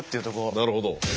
なるほど。